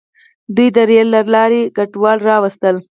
دوی د ریل له لارې کډوال راوستل.